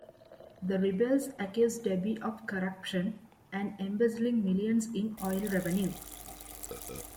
The rebels accuse Deby of corruption and embezzling millions in oil revenue.